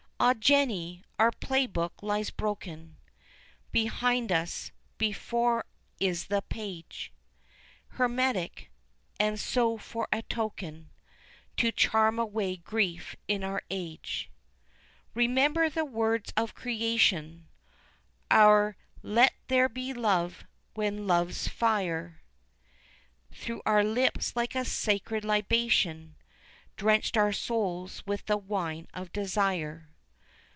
Ah! Jenny! our play book lies broken Behind us; before is the page Hermetic; and so for a token To charm away grief in our age Remember the words of Creation, Our "Let there be Love," when Love's fire Through our lips like a sacred libation Drenched our souls with the wine of desire.